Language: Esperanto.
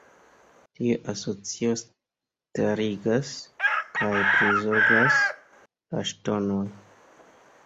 Tiu asocio starigas kaj prizorgas la ŝtonoj.